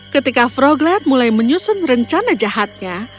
ketika froglet mulai menyusun rencana jahatnya